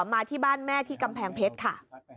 มาที่บ้านแม่ที่กำแพงเพชรค่ะ